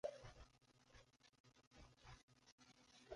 Where the bay joins the mare, rille systems extend to the north and south.